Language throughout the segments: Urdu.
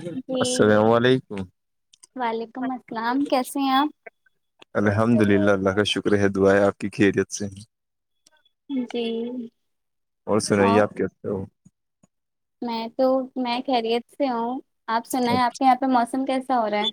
جی السلام علیکم وعلیکم السلام کیسے ہیں آپ الحمد للہ اللہ کا شکر ہے دعائیں آپ کی خیریت سے ہیں جی اور سنائیے آپ کے سے ہو میں تو میں خیریت سے ہوں آپ سنا ہے آپ کے یہاں پہ موسم کیسا ہو رہا ہے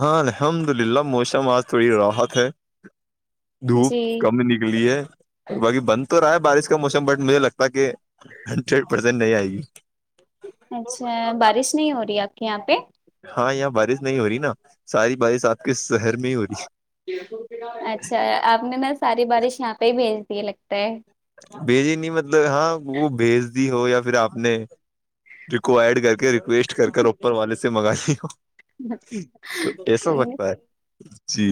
ہاں الحمد للہ موسم آج تھوڑی راحت ہے دھوپ جی کم نکلی ہے اور باقی بند تو رہا ہے بارش کا موسم بٹ مجھے لگتا ہے کہ ہنڈریڈ پرسینٹ نہیں آئے گی اچھا بارش نہیں ہو رہی ہے آپ کے یہاں پہ ہاں یہاں بارش نہیں ہو رہی نا ساری بارش آپ کے شہر میں ہی ہو رہی اچھا آپ نے نا ساری بارش یہاں پہ ہی بھیج دی لگتا ہے بھیجی نہیں مطلب ہاں وہ بھیج دی ہو یا پھر آپ نے ریکوائڈ کر کے ریکویسٹ کر اوپر والے سے منگا لی ہو تو ایسا جی وتتا ہے جی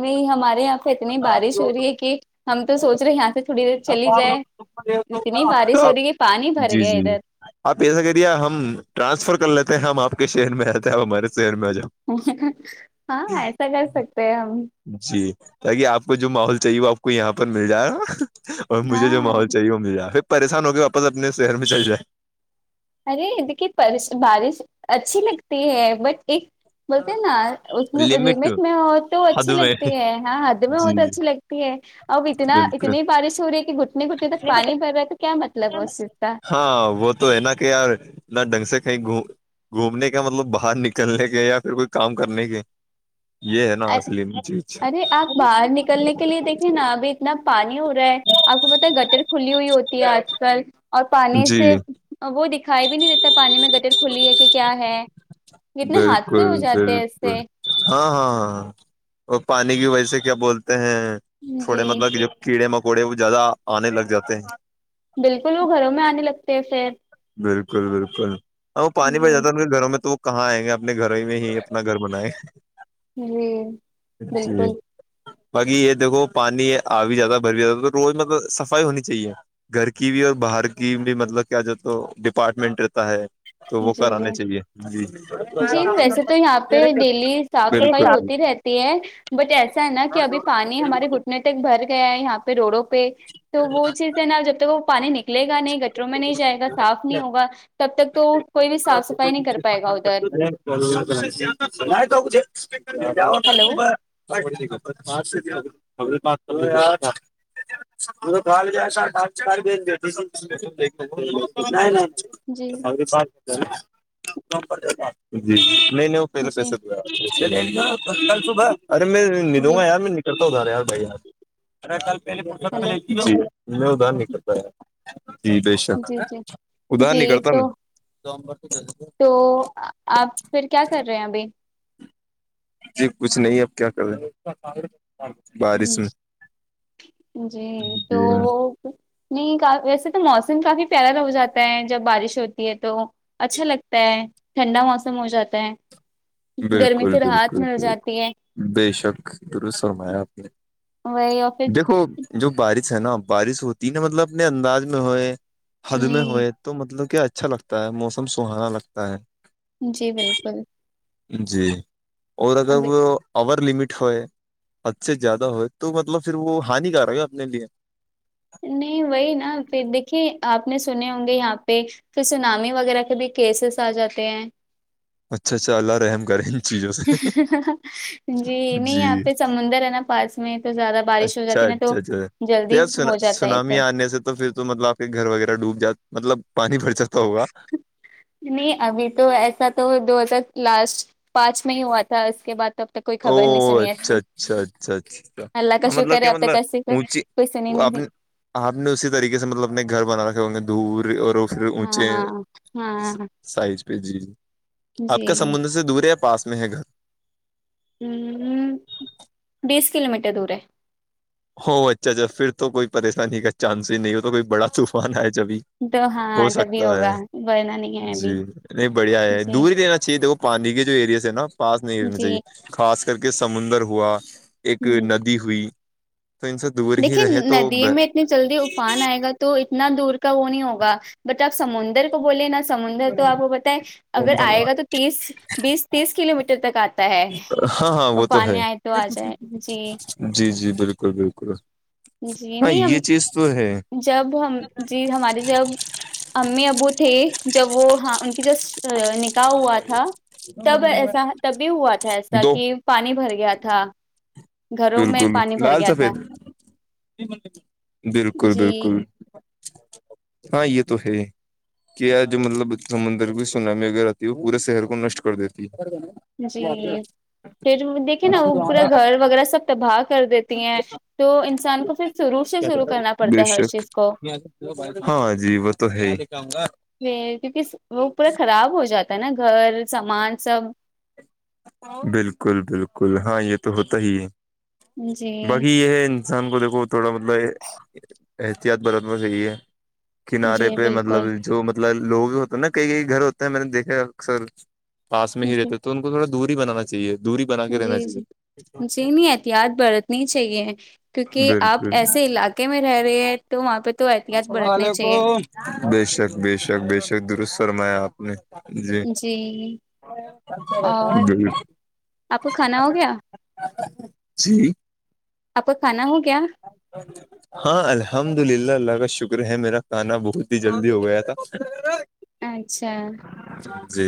نہیں ہمارے یہاں اتنی بارش ہو رہی ہے کہ ہم تو سوچ رہے ہیں یہاں سے تھوڑی دیر چلی جائے رتنی بارش تو و کے پانی بر جی گ جی جی ہے آپ ایسا کریے ہم ٹرانسفر کر لیتے ہیں ہم آپ کے شہر میں آتے ہیں ہمارے شہر میں آ جؤ ہاں ایسا کر سکتے ہیں ہم جی تاکہ آپ کو جو ماحول چاہیے وہ آپ کو یہاں پر مل جائے گا اور مجھے جو ہاں ماحول چاہیے وہ مل جائے پھر پریشان ہو کے واپس اپنے شہر میں چل جائے ارے دیکھیے بارش اچھی لگتی ہے بٹ ایک بولتے نا اس میں لمٹ میں ہو تو حد اچھی میں لگتی ہے ہاں حد میں ہو جی تو اچھی لگتی اب اتنا بالکل اتنی بارش ہو رہی ہے کہ گھٹنے گٹی تک پانی بھر رہا ہے تو کیا مطلب ہے اس چیز کا ہاں وہ تو ہے نا کہ یار نہ ڈھنگ سے کہیں گوم گھومنے کا مطلب باہر نکلنے کے یا پھر کوئی کام کرنے کے یہ ہے نا ارے اصلی میں چیز ارے آپ باہر نکلنے کے لیے دیکھے نا ابھی اتنا پانی ہو آپ کو پتا گٹر کھلی ہوئی ہوتی ہے آج کل اور پانی سے جی وہ دکھائی بھی نہیں دیتا پانی میں گدر کھلی ہے کہ کیا ہے کتنے حادثے بالکل ہو جاتے ہیں اس بالکل سے ہاں ہاں ہاں ہاں اور پانی کی وجہ سے کیا بولتے ہیں تھوڑے جی مطلب جو کیڑے مکوڑے وہ زیادہ آنے لگ جاتے ہیں بالکل وہ گھروں میں آنے لگتے ہیں فیر بالکل بالکل ا وہ پانی ب جی جاتا ہے ان کے گھروں میں تو وہ کہاں آئیں گے اپنے گھروں ہی میں ہی اپنا گھر بنائے جی جی بالکل باقی یہ دھو پانی آ بھی جاتا ہے بھر بھی جاتا ہے تو روز میںل صفائی ہونی چاہیے گھر کی بھی اور باہر کی بھی مطلب کیا جو تو ڈپارٹمنٹ رہتا ہے تو جی وہ کرانے جی چاہیے جی جی نہیں ویسے تو یہاں پہ ڈیلی صاف صفائی بالکل ہوتی رہتی ہے بٹ ایسا ہے نا کہ ابھی پانی ہمارے گھٹنے تک بھر گیا ہے یہاں پہ روڈوں پہ تو وہ چیز ہے نا جب تک وہ پانی نکلے گا نہیں گٹروں میں نہیں جائے گا صاف نہیں ہوگا تب تک تو کوئی بھی صاف صفائی نہیں کر پائے گا ادھر نہیں تو نہیں جاؤ ہلو کل صبح خب پات مالا چار نہیں نہیں جی ات جی نہیں نہیں وہ پہلے جی پیسے کل صبح ارے میں ندوں جی گا یار میں کرا رہا یار بھائی ار ا ک ہلو پہ جی میں اد نہیں کرتا ہےار جی بے شک جی جی ادر جی نہیں کرتا ن تو تو آپ پھر کیا کر رہے ہیں ابھی جی کچھ نہیں اب کیا کر رہے بارش میں جی تو نہیں ویسے تو موسم کافی پیارا ہو جاتا ہے جب بارش ہوتی ہے تو اچھا لگتا ہے ٹھنڈا موسم ہو جاتا ہے گرمی بالکل سے راحت بالکل مل بالکل جاتی ہے بے شک درست فرمایا آپ نے وہی آفس دیکھو جو بارش ہے نا بارش ہوتی نا مطلب اپنے انداز میں ہوئے حد میں ہوں ہوئے تو مطلب کہ اچھا لگتا ہے موسم سہانا لگتا ہے جی بالکل جی اور اگر اب وہ اور لمٹ ہوئے حد سے زیادہ ہوئے تو مطلب پھر وہ ہانکارک ہے اپنے لیے نہیں وہی نا پھر دیکھیے آپ نے سنے ہوں گے یہاں پہ پھر سنامی وغیرہ کے بھی کیسز آ جاتے ہیں اچھا اچھا اللہ رحم کرے ان چیزوں سے جی نہیں جی آپتے سمندر ہے نا پاس میں تو زیادہ بارش ہو جاتی نا تو جلدی ہو جاتا ہے یہ سب سناامی آنے سے تو پھر تو مطلب آپ کے گھر وغیرہ ڈوب جات مطلب پانی بھر جاتا ہوگا نہیں ابھی تو ایسا تو دو ہزار لاسٹ پانچ میں ہی ہوا تھا اس کے بعد تب تو کوئی او خبر نہیں اچھا سنیچھی اچھا اچھا اچھا اللہ ہاں کاشو مطلب کرے کیا آپ تو ک مطلب سو اونچی پس نہیں آپ نہیںری نے آپ نے اسی طریقے سے مطلب اپنے گھر بنا رکھے ہوں گے دور اور پھر اونچے ہاں ہاں سائز پہ جی جی آپ جی کا سمندر سے دور ہے یا پاس میں ہے گھر ہ بیس کلو میٹر دور ہو اچھا اچھا پھر تو کوئی پریشانی کا چانس ہی نہیں ہو تو کوئی بڑا طوفان ہے جبھی تو ہو ہاں تبھی سکتا ہے ہوگا ورنہ نہیں ہے جی ابھی نہیں بڑھیا ہے جی دوری دینا چاہیے تو وہ پانی کے جو ایریاز ہیں نا پاس نہیں رہنے جی چاہیے خاص کر کے سمندر ہوا ایک ہ ندی ہوئی تو ان س دیکھیے ندی میں اتنی جلدی افان آئے گا تو اتنا دور کا وہ نہیں ہوگا بٹ آپ سمندر بولے نا سمندر تو آپ کو بتیں اگر آئے گا تو تیس بیس تیس کلو میٹر تک آتا ہے ہاں ہاں وہ تو ہے پانی آئے تو آ جائے جی جی جی بالکل بالکل جی ہاں نہیں ہم یہ چیز تو ہے جب ہم جی ہمارے جب امی ابو تھے جب وہ ہاں ان کی جو نکاح ہوا تھا تب ایسا تبھی ہوا تھا ایسا دو کہ پانی بھر گیا تھا گھروں میں بالکل پانی بھر لال گیا تھا سفید بالکل جی بالکل ہاں یہ تو ہے کیا جو مطلب سمندر کی سناام اگر وہ پورے شہر کو نشٹ کر دیتی ہے جی پٹ دیکھیے نا وہ پورا گھر وغیرہ سب تباہ کر دیتی ہیں تو انسان کو پھر شروع سے شروع کرنا بے پڑتا ہے ہر شک چیز کو ہاں جی وہ تو ہے ہی کیونکہ وہ پورا خراب ہو جاتا ہے نا گھر سامان سب بالکل بالکل ہاں یہ تو ہوتا ہی ہے جی باقی یہ انسان کو دیکھو تھوڑا مطلب احتیاط برتنا صحیح ہے کنارے جی پہ مطلب بالکل جو مطلب مطلب لوگ بھی ہوتے ہیں نا کئی کئی گھر ہوتے ہیں میں نے دیکھا اکثر پاس میں ہی جی رہتے تو ان تھوا دور ہی بنانا چاہیے دوری بنا کے جی رہنا جی جی چاہیے نہیں احتیاط برتنی چاہیے کیوںکہ آپ بالکل ایسے علاقے میں رہ رہے ہیں تو وہاں پہ تو احتیاط برتنا چاہیے بے شک بے شک بے شک درست فرمایا آپ نے جی اور جی آپ کا کھانا ہو گیا جی آپ کا کھانا ہو گیا ہاں الحمد للہ اللہ کا شکر ہے میرا کھانا بہت ہی جلدی ہو گیا تھا اچھا جی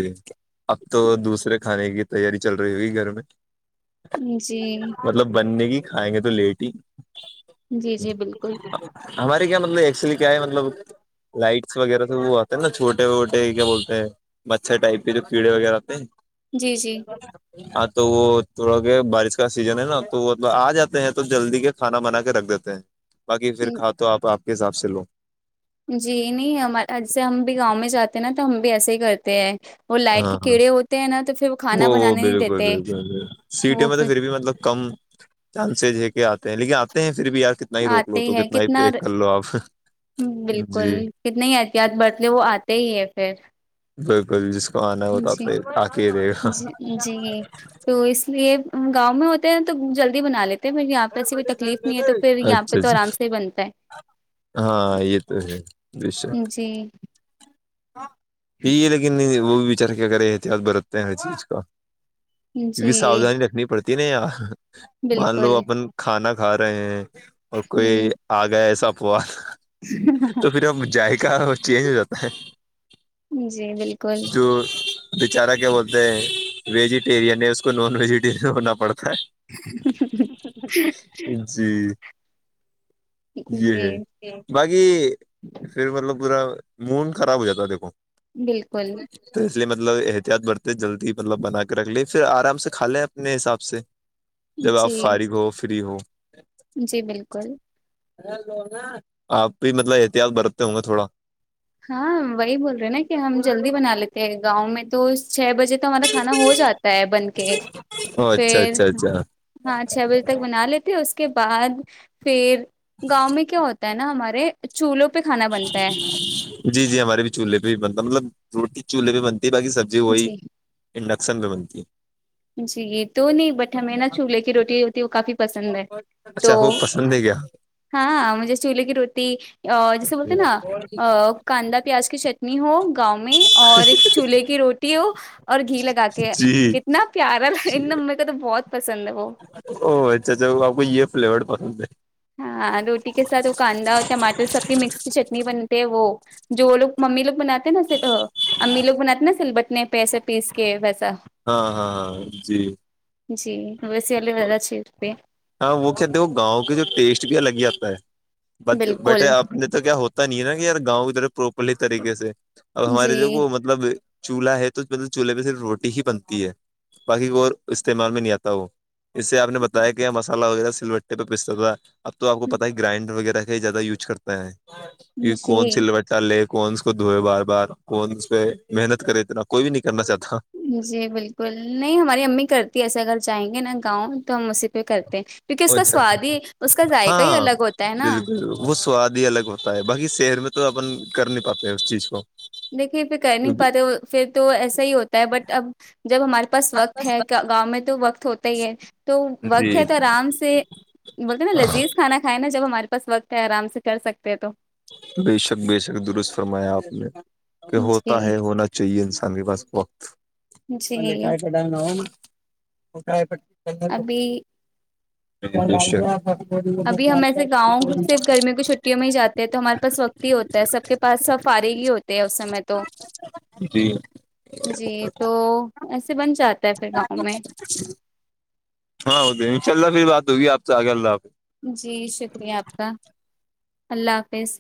اب تو دوسرے کھانے کی تیاری چل رہی ہوگی گھر میں جی مطلب بننے کی کھائیں گے تو لیٹ ہی جی جی بالکل ہمارے کیا مطلب ایکسلی کیا ہے مطلب لائٹس وغیرہ سب وہ آتے ہیں نا چھوٹے ووٹے کیا بولتے ہیں مچھر ٹائپ کے جو کیڑے وغیرہ پہ جی جی [inaudible] ہاں تو وہ تھوڑا کہ بارش کا سیزن ہے نا تو وہب آ جاتے ہیں تو جلدی کے کھانا بنا کے رکھ دیتے ہیں [inaudible] باقی پھر کھا تو آپ آپ کے حساب سے لو جی نہیں ہمار ایسے ہم بھی گاؤں میں جاتے ہیں نا تو ہم بھی ایسے ہی کرتے ہیں وہ لائٹ کے ہاں ہاں کیڑے ہوتے ہیں نا تو پھر وہ کھانا وہ بنانے نہیں بالکل دیتے بالکل وہ سیٹیوں میں تو پھر [inaudible] بھی مطلب کم چانسز ہے کہ آتے ہیں لیکن آتے ہیں پھر بھی یارک کتنا ہی روک لو تو کتنا ہی پیک کر لو آپ بالکل جی کتنی احتیاط برت لے وہ آتے ہی ہیں پھر بالکل جس کو آنا ہے ہوتا جی آک ہی رہے گا جی جی تو اس لیے گاؤں میں ہوتے ہیں تو جلدی بنا لیتے یہاں پہ ایسی کوئی تکلیف نہیں ہے تو پھر یہاں پہ اچھا تو اچھا آرام سے ہی بنتا ہے ہاں یہ تو ہےشک جی یہ دیکھو نہیں وہ بھی بیچارے کیا کرے احتیاط برتتے ہیں ہر چیز کا کیونکہ جی ساودانی رکھنی پڑتی یار مان لو بالکل اپن کھانا کھا رہے ہیں اور ہ کوئی آ گیا ایسا پوا تو پھر اب جائقہ چینج ہو جاتا ہے جی بالکل تو بیچارہ کیا بولتے ہیں ویجیٹییرن ہے اس کو نان ویجیٹییرن ہونا پڑتا ہے چ [unintelligible] جی یہ جی ہے باقی پھر مطلب پورا مڈ خراب ہو جاتا دیکھو بالکل تو اس لیے مطلب احتیاط برتے جلدی مطلب بنا کے رکھ لے پھر آرام سے کھا لیں اپنے حساب سے جب جی آپ فارغ ہو فری ہو جی بالکل آپ بھی مطلب احتیاط برتتے ہوں گے تھوڑا ہاں وہی بول رہے ہیں نا کہ ہم جلدی بنا لیتے ہیں گاؤں میں تو چھ بجے تو ہمارا کھانا ہو جاتا ہے بن کے او اچھا پھر اچھا اچھا ہاں چھ بجے تک بنا لیتے اس کے بعد پھر گاؤں میں کیا ہوتا ہے نا ہمارے چولہوں پہ کھانا بنتا ہے جی جی ہمارے بھی چولہے پہ بھی بنتا مطلب روٹی چولہ پہ بنتی ہے باقی سبزی وہی جی انڈکشن بھی بنتی ہے جی تو نہیں بٹ ہمیں نا چولہے کی روٹی ہوتی ہے وہ کافی پسند ہے تو اچھا خوب پسند ہے کیا ہاں مجھے چولی کی روٹی جیسے بولتے ہیں نا کاندا پیاز کی چٹنی ہو گاؤں میں اور ایک چولہے کی روٹی ہو اور گھی لگا کے جی کتنا پیارا لے کو تو بہت پسند ہے وہ ا چھا بپو یہ فلیورڈ پسن ہے ہاں روٹی کے ساتھ وہ کاندا ٹماٹر سب کی مکس کی چٹنی بنتے ہیں وہ جو لوگ ممی لوگ بناتے ہیں نا س امی لوگ بناتے نا سل بٹنے پیسے پیس کے ویسا ہاں ہاں ہاں جی جی ویسے ال زدہ چز پہ ہاں وہ کیا دیکو گاؤں کے جو ٹیسٹ بھی الگ ہی آتا ہے بالکل بیٹے آپ نے تو کیا ہوتا نہیں ہے نا کہ یار گاؤں کی طر پروپرلی طریقے سے ا جی ہماریے مطلب چولہا ہے توطلب چولہے پہ صرف روٹی ہی بنتی ہے باقی کو استعمال میں نہیں آتا اس سے آپ نے بتایا کہ یہ مسالہ وغیرہ سل بٹے پہ پستا تھا اب تو آپ کو پتا ہے گرائنڈر وغیرہ کا زیادہ یوز کرتا ہے کہ کون جی سی ل ٹالے کون اس کو دھوئے بار بار کون اس پہ محنت کرے اتنا کوئی بھی نہیں کرنا چاہتا جی بالکل نہیں ہماری امی کرتی ہے ایسے اگر چاہیں گے نا گاؤں تو ہم اسے کرتے ہیں کیونکہ اس کا چاہتا سواد ہی اس کا ذائقہ ہی ہاں الگ ہوتا ہے نا بالکل وہ سواد ہی الگ ہوتا ہے باقی شہر میں تو اپن کر نہیں پاتے ہیں اس چیز کو دیکھیے یہ پھر کہہ نہیں پاتے پھر تو ایسا ہی ہوتا ہے بٹ اب جب ہمارے پاس وقت ہے گاؤں میں تو وقت ہوتا ہی ہے تو وقت جی ہے تو آرام سے بولتے نا لذیذ کھانا کھائے نا جب ہمارے پاس وقت ہے آرام سے کر سکتے ہیں تو بے شک بے شک درست فرمایا آپ نے کہ ہوتا جی ہے ہونا چاہیے انسان کے پاس وقت مے کا جی پ ڈناا ہو وہ پ ابھی بیشک ابھی ہم ایسے گاؤں صرف گرمیوں کی چھٹیوں میں ہی جات ہیں تو ہمارے پاس وقت ہی ہوتا ہے سب کے پاس سب فارغ ہی ہوتے ہے اس سمے تو جی جی تو ایسے بن جاتا ہے پھر گاؤں میں ہاں ہوتے ان شاء اللہ پھر بات ہوگی آپ سے آگ اللہ حافظ جی شکریہ آپ کا اللہ حافظ